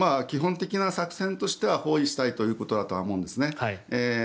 基本的な作戦としては包囲したいということだとは思うんです。